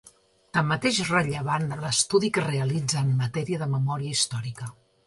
Tanmateix, és rellevant l'estudi que realitza en matèria de memòria històrica.